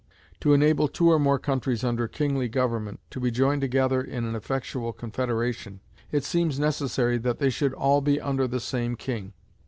To enable two or more countries under kingly government to be joined together in an effectual confederation, it seems necessary that they should all be under the same king.